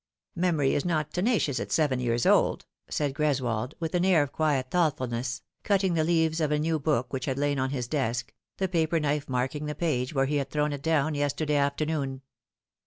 Memory is not tenacious at seven years old," said Greswold, with an air of quiet thoughtfulness, cutting the leaves of a new book which had lain on his desk, the paper knife marking the page where he had thrown it down yesterday afternoon.